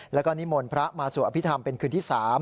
แล้วก็นิมนต์พระมาสวดอภิษฐรรมเป็นคืนที่๓